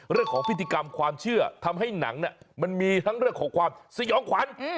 เรื่องของพิธีกรรมความเชื่อทำให้หนังมันมีทั้งเรื่องของความสยองขวัญ